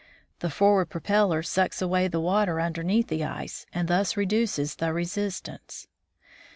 The forward propeller sucks away the water underneath the ice, and thus reduces the resistance.